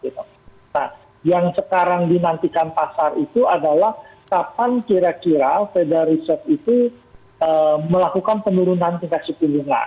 nah yang sekarang dinantikan pasar itu adalah kapan kira kira feda riset itu melakukan penurunan tingkat suku bunga